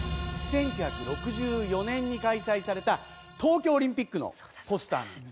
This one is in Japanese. １９６４年に開催された東京オリンピックのポスターなんです。